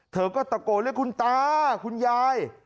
เธอก็ตะโกนเรียกคุณตาคุณยาย